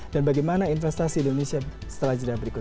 dan bagaimana investasi di indonesia setelah jadwal berikut